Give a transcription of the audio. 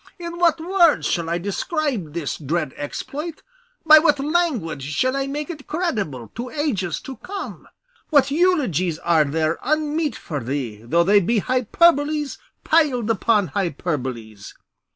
In what words shall I describe this dread exploit, by what language shall I make it credible to ages to come, what eulogies are there unmeet for thee, though they be hyperboles piled on hyperboles!